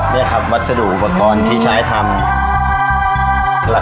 นี่ครับวัสดุอุปกรณ์ที่ใช้ทำ